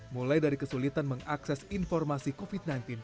mulai dari kesulitan mengakses informasi covid sembilan belas